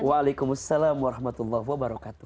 waalaikumsalam warahmatullahi wabarakatuh